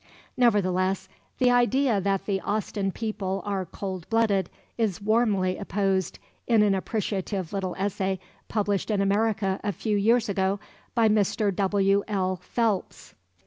Nevertheless the idea that the Austen people are cold blooded is warmly opposed in an appreciative little essay published in America a few years ago by Mr. W. L. Phelps.